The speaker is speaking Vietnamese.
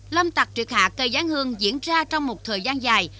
lâm tạc triệt hạ cây gián hương diễn ra trong một thời gian dài